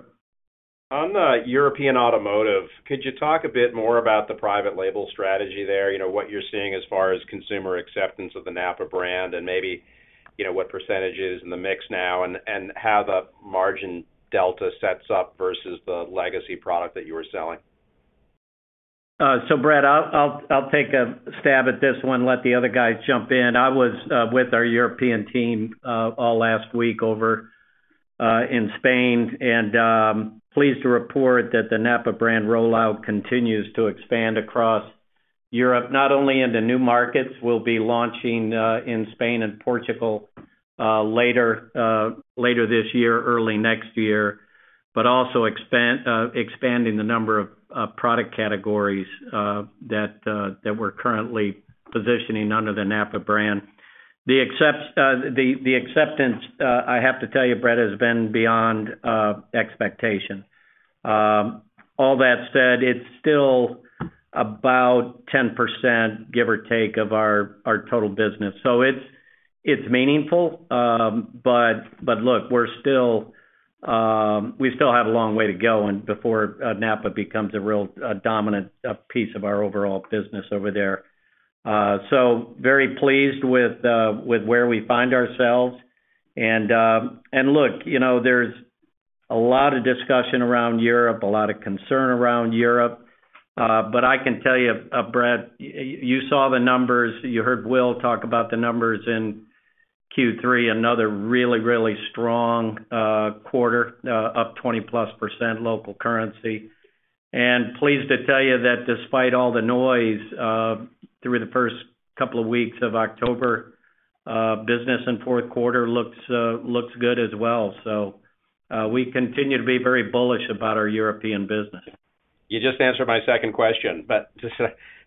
On the European automotive, could you talk a bit more about the private label strategy there? You know, what you're seeing as far as consumer acceptance of the NAPA brand, and maybe, you know, what percentages in the mix now and how the margin delta sets up versus the legacy product that you were selling. Bret, I'll take a stab at this one, let the other guys jump in. I was with our European team all last week over in Spain, and pleased to report that the NAPA brand rollout continues to expand across Europe, not only in the new markets we'll be launching in Spain and Portugal later this year, early next year, but also expanding the number of product categories that we're currently positioning under the NAPA brand. The acceptance, I have to tell you, Brett, has been beyond expectation. All that said, it's still about 10%, give or take, of our total business. It's meaningful, but look, we still have a long way to go and before NAPA becomes a real, a dominant piece of our overall business over there. Very pleased with where we find ourselves. Look, you know, there's a lot of discussion around Europe, a lot of concern around Europe. But I can tell you, Bret, you saw the numbers, you heard Will talk about the numbers in Q3, another really strong quarter, up 20%+ local currency. Pleased to tell you that despite all the noise through the first couple of weeks of October, business in fourth quarter looks good as well. We continue to be very bullish about our European business. You just answered my second question. Just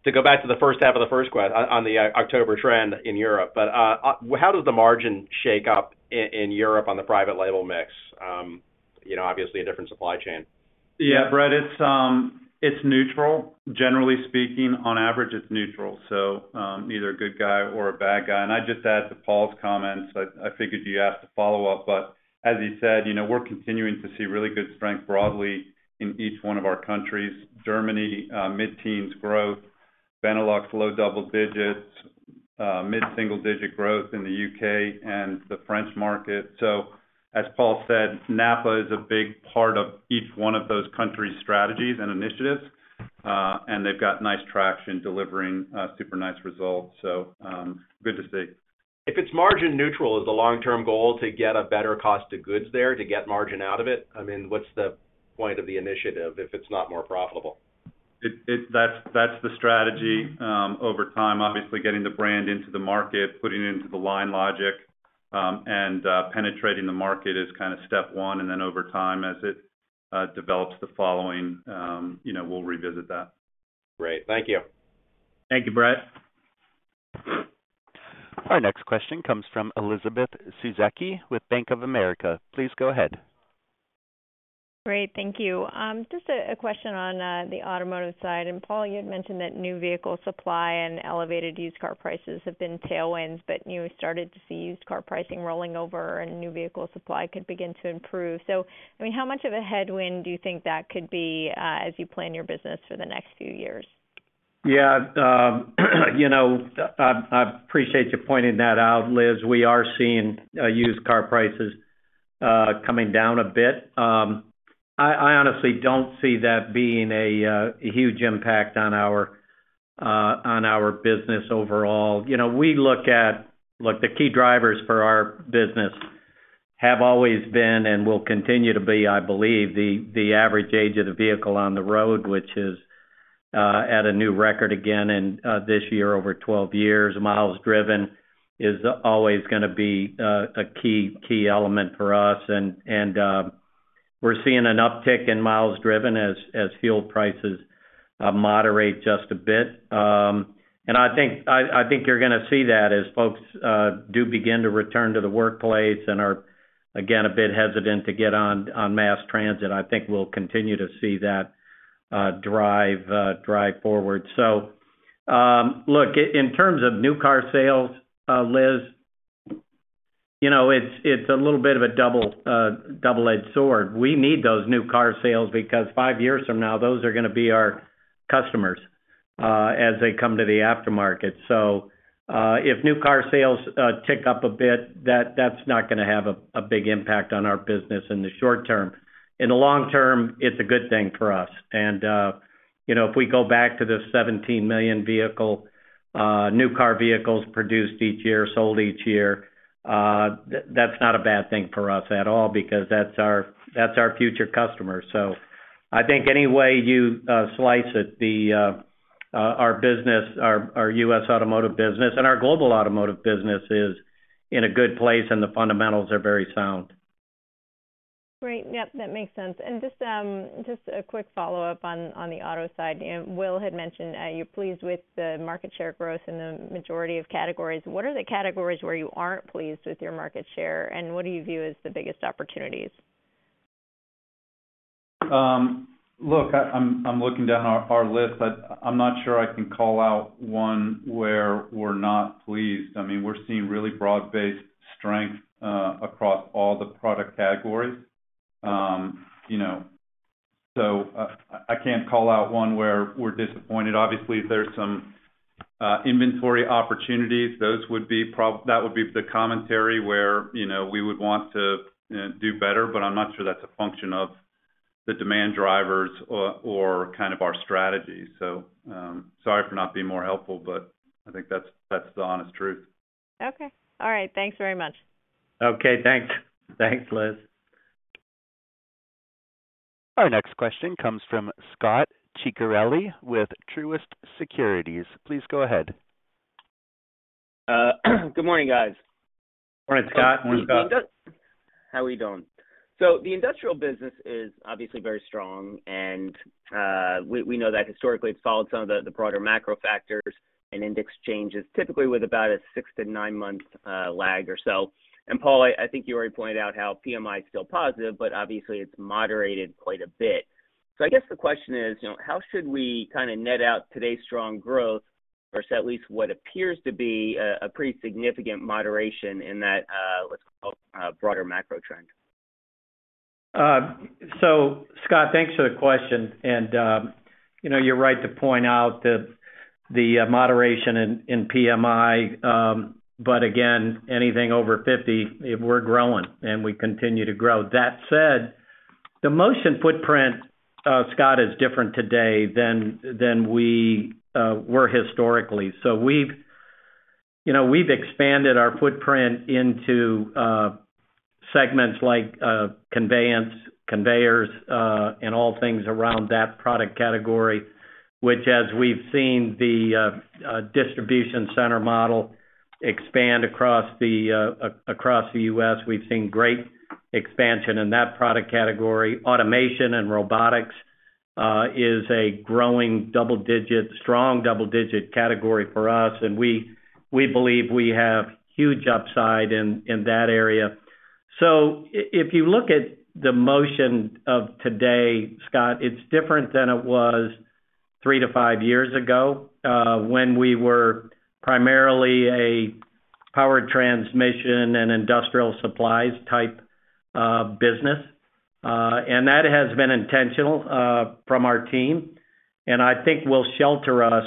to go back to the first half of the first question on the October trend in Europe. How does the margin shake up in Europe on the private label mix? You know, obviously a different supply chain. Yeah, Bret, it's neutral. Generally speaking, on average, it's neutral, so neither a good guy or a bad guy. I'd just add to Paul's comments. I figured you'd ask to follow up. As he said, you know, we're continuing to see really good strength broadly in each one of our countries. Germany, mid-teens growth, Benelux, low double digits, mid-single digit growth in the U.K. and the French market. As Paul said, NAPA is a big part of each one of those countries' strategies and initiatives, and they've got nice traction delivering super nice results. Good to see. If it's margin neutral, is the long-term goal to get a better cost of goods there to get margin out of it? I mean, what's the point of the initiative if it's not more profitable? That's the strategy over time. Obviously, getting the brand into the market, putting it into the line logic, and penetrating the market is kind of step one. Over time, as it develops the following, you know, we'll revisit that. Great. Thank you. Thank you, Bret. Our next question comes from Elizabeth Suzuki with Bank of America. Please go ahead. Great, thank you. Just a question on the automotive side. Paul, you had mentioned that new vehicle supply and elevated used car prices have been tailwinds, but you started to see used car pricing rolling over and new vehicle supply could begin to improve. I mean, how much of a headwind do you think that could be as you plan your business for the next few years? Yeah, you know, I appreciate you pointing that out, Liz. We are seeing used car prices coming down a bit. I honestly don't see that being a huge impact on our business overall. You know, the key drivers for our business have always been and will continue to be, I believe, the average age of the vehicle on the road, which is at a new record again in this year, over 12 years. Miles driven is always gonna be a key element for us, and we're seeing an uptick in miles driven as fuel prices moderate just a bit. I think you're gonna see that as folks do begin to return to the workplace and are, again, a bit hesitant to get on mass transit. I think we'll continue to see that drive forward. Look, in terms of new car sales, Liz, you know, it's a little bit of a double-edged sword. We need those new car sales because five years from now, those are gonna be our customers as they come to the aftermarket. If new car sales tick up a bit, that's not gonna have a big impact on our business in the short term. In the long term, it's a good thing for us. You know, if we go back to the 17 million vehicle, new car vehicles produced each year, sold each year, that's not a bad thing for us at all because that's our future customer. I think any way you slice it, our business, our U.S. automotive business and our global automotive business is in a good place, and the fundamentals are very sound. Great. Yep, that makes sense. Just a quick follow-up on the auto side. Will had mentioned you're pleased with the market share growth in the majority of categories. What are the categories where you aren't pleased with your market share, and what do you view as the biggest opportunities? Look, I'm looking down our list. I'm not sure I can call out one where we're not pleased. I mean, we're seeing really broad-based strength across all the product categories. You know, so I can't call out one where we're disappointed. Obviously, there's some inventory opportunities. That would be the commentary where, you know, we would want to, you know, do better, but I'm not sure that's a function of the demand drivers or kind of our strategy. Sorry for not being more helpful, but I think that's the honest truth. Okay. All right. Thanks very much. Okay, thanks. Thanks, Liz. Our next question comes from Scot Ciccarelli with Truist Securities. Please go ahead. Good morning, guys. Morning, Scot. Morning, Scot. How are we doing? The industrial business is obviously very strong, and we know that historically it's followed some of the broader macro factors and index changes, typically with about a six to nine month lag or so. Paul, I think you already pointed out how PMI is still positive, but obviously, it's moderated quite a bit. I guess the question is, you know, how should we kind of net out today's strong growth versus at least what appears to be a pretty significant moderation in that what's called a broader macro trend? Scot, thanks for the question. You know, you're right to point out the moderation in PMI. Again, anything over 50, we're growing and we continue to grow. That said, the Motion footprint, Scot, is different today than we were historically. We've, you know, we've expanded our footprint into segments like conveyance, conveyors, and all things around that product category. Which as we've seen the distribution center model expand across the U.S., we've seen great expansion in that product category. Automation and robotics is a growing double digit, strong double digit category for us, and we believe we have huge upside in that area. If you look at the Motion of today, Scot, it's different than it was three to five years ago, when we were primarily a power transmission and industrial supplies type business. That has been intentional from our team, and I think will shelter us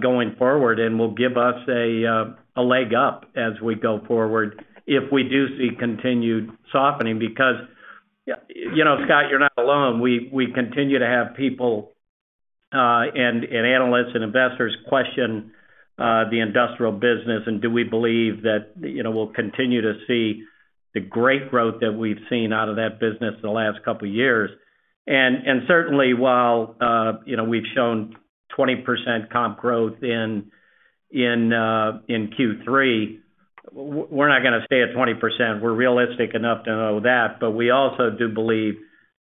going forward and will give us a leg up as we go forward if we do see continued softening. Because you know, Scot, you're not alone. We continue to have people and analysts and investors question the industrial business and do we believe that, you know, we'll continue to see the great growth that we've seen out of that business in the last couple years. Certainly while you know we've shown 20% comp growth in Q3, we're not gonna stay at 20%. We're realistic enough to know that. We also do believe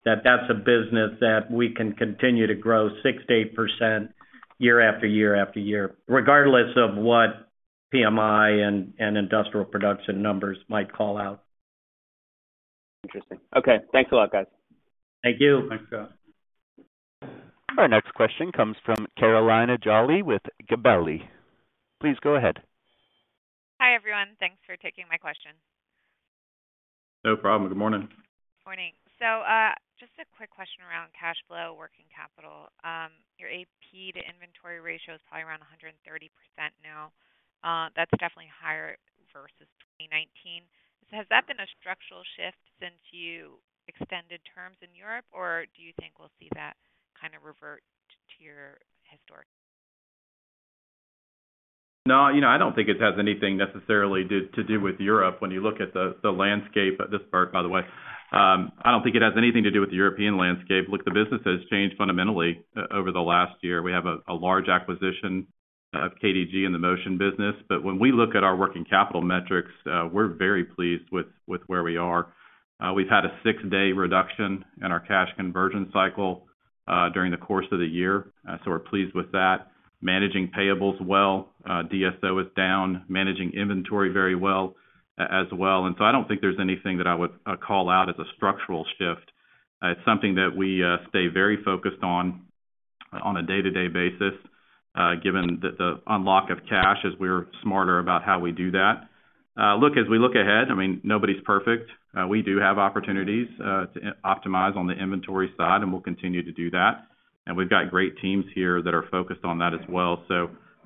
that that's a business that we can continue to grow 6%-8% year after year after year, regardless of what PMI and industrial production numbers might call out. Interesting. Okay, thanks a lot, guys. Thank you. Thanks, Scot. Our next question comes from Carolina Jolly with Gabelli. Please go ahead. Hi, everyone. Thanks for taking my question. No problem. Good morning. Morning. Just a quick question around cash flow, working capital. Your AP to inventory ratio is probably around 130% now. That's definitely higher versus 2019. Has that been a structural shift since you extended terms in Europe, or do you think we'll see that kind of revert to your historic? No. You know, I don't think it has anything necessarily to do with Europe when you look at the landscape. This is Bert, by the way. I don't think it has anything to do with the European landscape. Look, the business has changed fundamentally over the last year. We have a large acquisition of KDG in the Motion business. But when we look at our working capital metrics, we're very pleased with where we are. We've had a six day reduction in our cash conversion cycle during the course of the year, so we're pleased with that. Managing payables well, DSO is down, managing inventory very well, as well. I don't think there's anything that I would call out as a structural shift. It's something that we stay very focused on a day-to-day basis, given the unlock of cash as we're smarter about how we do that. Look, as we look ahead, I mean, nobody's perfect. We do have opportunities to optimize on the inventory side, and we'll continue to do that, and we've got great teams here that are focused on that as well.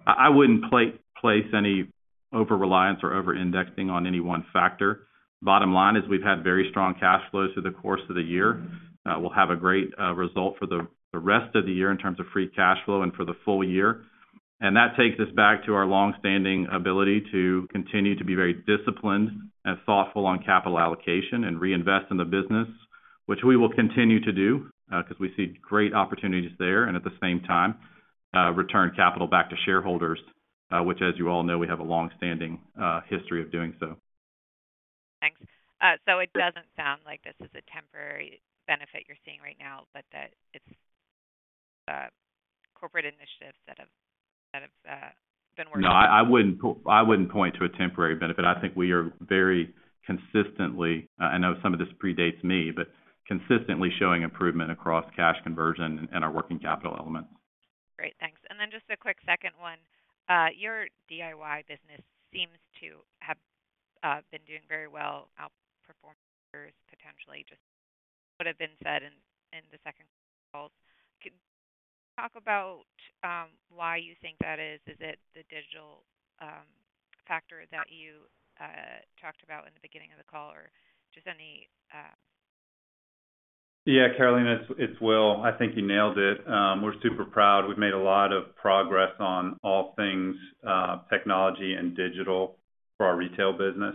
I wouldn't place any over-reliance or over-indexing on any one factor. Bottom line is we've had very strong cash flows through the course of the year. We'll have a great result for the rest of the year in terms of free cash flow and for the full year. That takes us back to our long-standing ability to continue to be very disciplined and thoughtful on capital allocation and reinvest in the business, which we will continue to do, 'cause we see great opportunities there, and at the same time, return capital back to shareholders, which as you all know, we have a long-standing history of doing so. Thanks. It doesn't sound like this is a temporary benefit you're seeing right now, but that it's corporate initiatives that have been working. No, I wouldn't point to a temporary benefit. I think we are very consistently, I know some of this predates me, but consistently showing improvement across cash conversion and our working capital elements. Great. Thanks. Then just a quick second one. Your DIY business seems to have been doing very well, outperforming peers, potentially just what have been said in the second calls. Can you talk about why you think that is? Is it the digital factor that you talked about in the beginning of the call or just any? Yeah, Carolina, it's Will. I think you nailed it. We're super proud. We've made a lot of progress on all things technology and digital for our retail business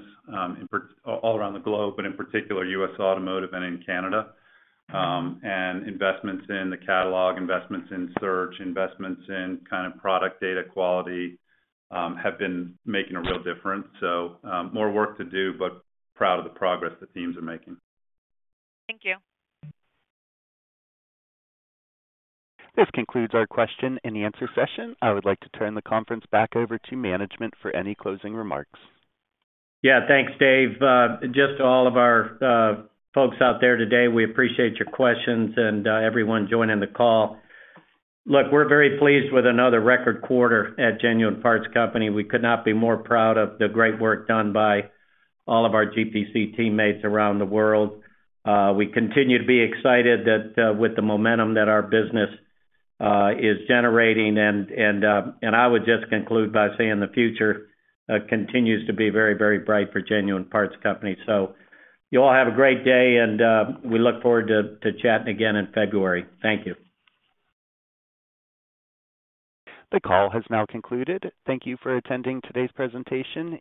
all around the globe, but in particular U.S. Automotive and in Canada. Investments in the catalog, investments in search, investments in kind of product data quality have been making a real difference. More work to do, but proud of the progress the teams are making. Thank you. This concludes our question and answer session. I would like to turn the conference back over to management for any closing remarks. Yeah. Thanks, Dave. Just to all of our folks out there today, we appreciate your questions and everyone joining the call. Look, we're very pleased with another record quarter at Genuine Parts Company. We could not be more proud of the great work done by all of our GPC teammates around the world. We continue to be excited that with the momentum that our business is generating. And I would just conclude by saying the future continues to be very, very bright for Genuine Parts Company. You all have a great day, and we look forward to chatting again in February. Thank you. The call has now concluded. Thank you for attending today's presentation.